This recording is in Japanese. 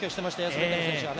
全ての選手が。